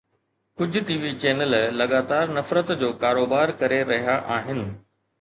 ڪجهه T V channel لڳاتار نفرت جو ڪاروبار ڪري رهيا آهن.